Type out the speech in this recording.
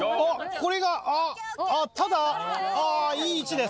これがただあいい位置です。